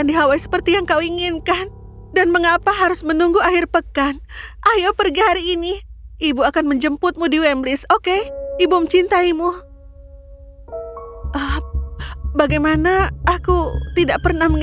detektif mina selamat datang